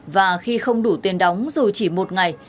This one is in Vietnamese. và khi không đủ tiền đóng dù chỉ một ngày